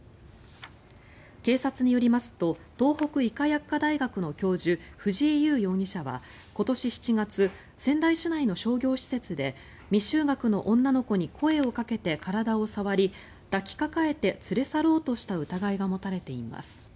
警察によりますと東北医科薬科大学の教授藤井優容疑者は今年７月仙台市内の商業施設で未就学の女の子に声をかけて体を触り抱きかかえて連れ去ろうとした疑いが持たれています。